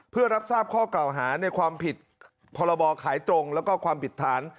เพื่อรับทราบข้อกล่าวหาในความผิดพรบขายตรงแล้วก็ความผิดฐาน